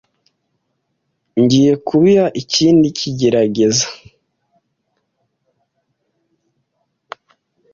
Ngiye kubiha ikindi gerageza.